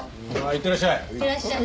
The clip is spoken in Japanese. いってらっしゃい。